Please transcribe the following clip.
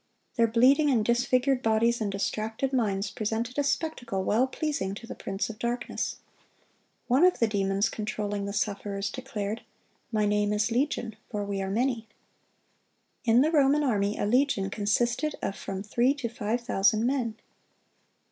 Their bleeding and disfigured bodies and distracted minds presented a spectacle well pleasing to the prince of darkness. One of the demons controlling the sufferers declared, "My name is Legion: for we are many."(908) In the Roman army a legion consisted of from three to five thousand men.